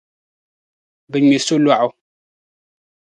Bɛ ŋme solɔɣu.